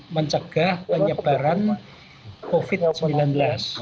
mencegah penyebaran covid sembilan belas